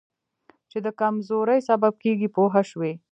چې د کمزورۍ سبب کېږي پوه شوې!.